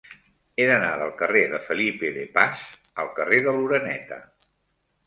He d'anar del carrer de Felipe de Paz al carrer de l'Oreneta.